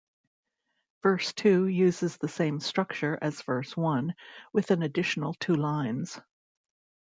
Verse two uses the same structure as verse one, with an additional two lines.